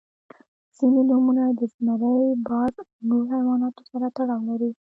• ځینې نومونه د زمری، باز او نور حیواناتو سره تړاو لري.